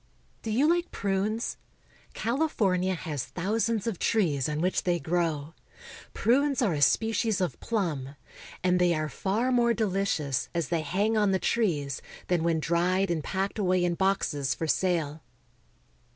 Do you like prunes? California has thousands of trees on which they grow. Prunes are a species of plum, and they are far more deli cious as they hang on the trees than when dried and packed away in boxes for sale.